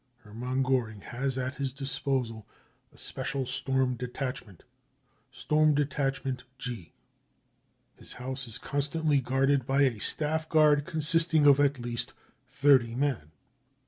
Hermann Goering has at his disposal a special storm ^detachment, storm detachment G. His house is constantly guarded by a staff guard consisting of at least thirty men.